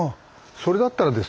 それだったらですね